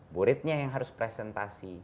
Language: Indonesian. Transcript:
muridnya yang harus presentasi